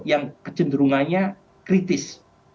yang kecenderungannya kritis